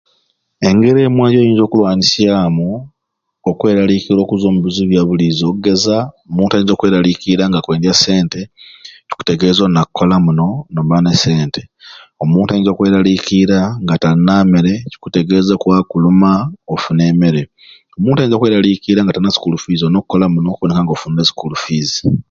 Engeri emwei gyenyiza okulanyisyamu okwelalikira okuzwa omubizibu byabulizo okugeza omuntu ayinza okwelalikira nga akwendya sente okikutegeza olina kukola muno noba ne esente omuntu ayinza okwelalikira nga talina mmere ekikutegeza okwaba kuluma ofune emere omuntu ayinza okwelalikira nga talina school fees olina okukola muno oboneka nga ofunire e school fees.